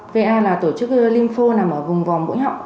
va là tổ chức linkho nằm ở vùng vòng mũi họng